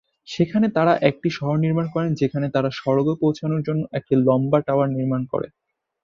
সেখানে তারা একটি শহর নির্মাণ করে, যেখানে তারা স্বর্গে পৌঁছানোর জন্য একটি লম্বা টাওয়ার নির্মাণ করে।